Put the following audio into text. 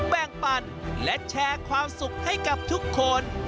แบ่งปั่นและแชร์ความสุขให้กับทุกคน